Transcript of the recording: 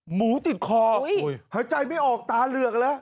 หมูติดคอหายใจไม่ออกตาเหลือกเลย